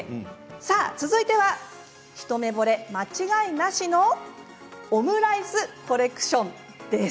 さあ続いては一目ぼれ間違いなしのオムライスコレクションです。